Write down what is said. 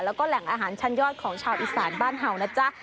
แล้วก็แหล่งอาหารชั้นยอดของชาวอีสานบ้านเห่านะจ๊ะ